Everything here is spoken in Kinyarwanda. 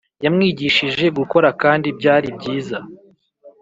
yamwigishije gukora kandi byari byiza